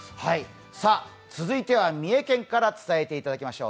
続いては三重県から伝えていただきましょう。